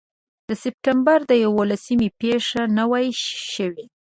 د سپټمبر د یوولسمې پېښه نه وای شوې.